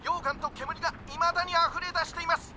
けむりがいまだにあふれだしています。